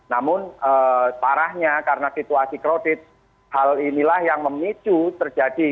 namun parahnya karena situasi kredit hal inilah yang memicu terjadi